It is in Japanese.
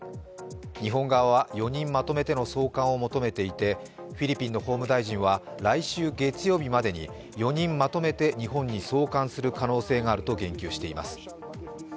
日本側は、４人まとめての送還を求めていて、フィリピンの法務大臣は来週月曜日までに４人まとめて日本に送還する可能性があると言及しています。